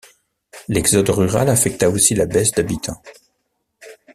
L'exode rurale affecta aussi la baisse d'habitants.